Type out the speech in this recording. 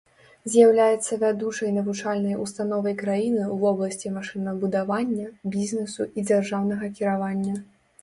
З'яўляецца вядучай навучальнай установай краіны ў вобласці машынабудавання, бізнесу і дзяржаўнага кіравання.